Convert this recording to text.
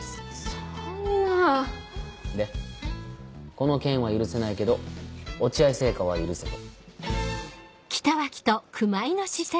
この件は許せないけど落合製菓は許せと。